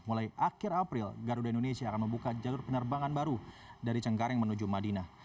mulai akhir april garuda indonesia akan membuka jalur penerbangan baru dari cengkareng menuju madinah